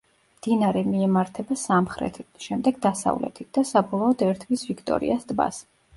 მდინარე მიემართება სამხრეთით, შემდეგ დასავლეთით და საბოლოოდ ერთვის ვიქტორიას ტბას.